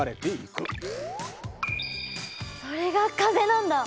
それが風なんだ！